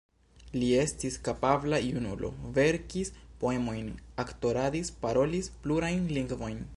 Li estis kapabla junulo, verkis poemojn, aktoradis, parolis plurajn lingvojn.